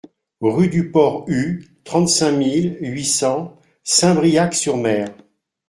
Rue du Port-Hue, trente-cinq mille huit cents Saint-Briac-sur-Mer